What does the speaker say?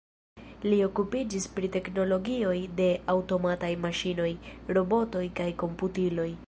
Li okupiĝis pri teknologioj de aŭtomataj maŝinoj, robotoj kaj komputiloj.